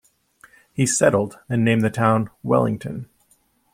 He settled and named the town Wellington.